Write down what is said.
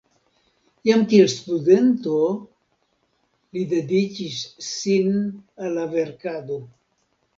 Jam kiel studento li dediĉis sin al la verkado.